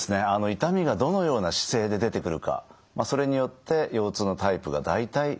痛みがどのような姿勢で出てくるかそれによって腰痛のタイプが大体分かります。